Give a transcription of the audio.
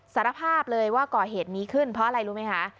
สารภาพเลยว่าก่อเหตุนี้ขึ้นเพราะอะไรรู้ไหมคะ